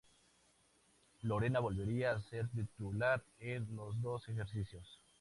Lorena volvería a ser titular en los dos ejercicios.